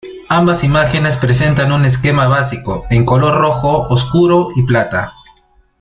Ambas imágenes presentan un esquema básico, en color rojo oscuro y plata.